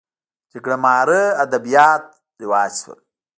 جګړه مارۍ ادبیات رواج شول